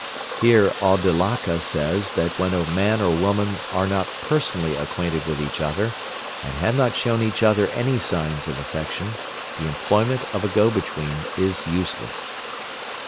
Here Auddalaka says that when a man or woman are not personally acquainted with each other, and have not shown each other any signs of affection, the employment of a go between is useless.